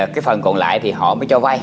cái phần còn lại thì họ mới cho vay